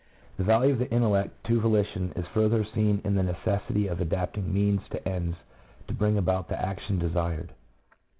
The value of the intellect to volition is further seen in the necessity of adapting means to ends to bring about the action desired.